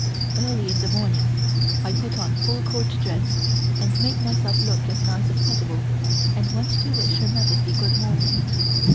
Early in the morning I put on full Court dress, and made myself look as nice as possible and went to wish Her Majesty good morning.